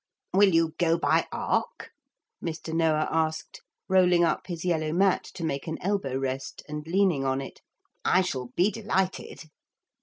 'Will you go by ark?' Mr. Noah asked, rolling up his yellow mat to make an elbow rest and leaning on it; 'I shall be delighted.'